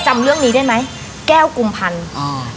จำเรื่องนี้ได้ไหมแก้วกุมพันธ์อ่า